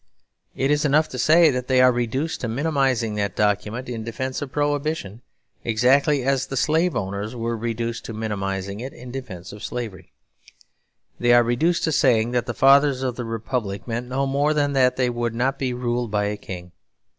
It is enough to say that they are reduced to minimising that document in defence of Prohibition, exactly as the slave owners were reduced to minimising it in defence of Slavery. They are reduced to saying that the Fathers of the Republic meant no more than that they would not be ruled by a king.